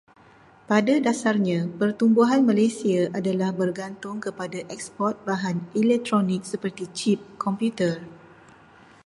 Pada dasarnya, pertumbuhan Malaysia adalah bergantung kepada eksport bahan elektronik seperti cip komputer.